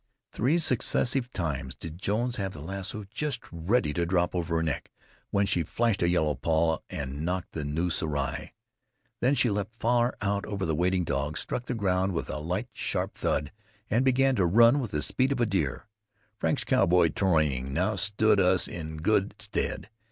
Three successive times did Jones have the lasso just ready to drop over her neck, when she flashed a yellow paw and knocked the noose awry. Then she leaped far out over the waiting dogs, struck the ground with a light, sharp thud, and began to run with the speed of a deer. Frank's cowboy training now stood us in good stead.